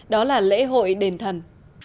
đó là lễ hội đền thần